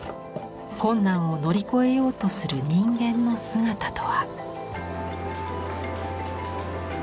困難を乗り越えようとする人間の姿とは。